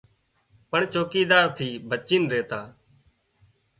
پڻ چوڪيدار ٿي بچي زاتا